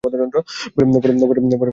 খবর নেব নাকি মাঝে মাঝে?